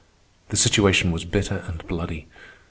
The situation was bitter and bloody.